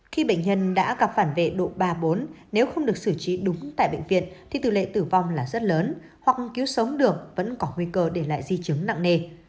khi bệnh nhân đã gặp phản vệ độ ba bốn nếu không được xử trí đúng tại bệnh viện thì tỷ lệ tử vong là rất lớn hoặc cứu sống được vẫn có nguy cơ để lại di chứng nặng nề